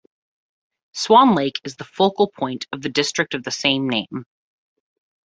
Swan Lake is the focal point of the district of the same name.